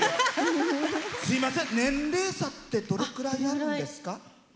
すいません、年齢差ってどれくらいあるんですか？